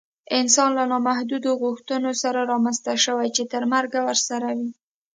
انسان له نامحدودو غوښتنو سره رامنځته شوی چې تر مرګه ورسره وي